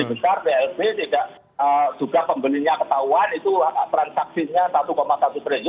industri besar blb juga pembelinya ketahuan itu transaksinya satu satu triliun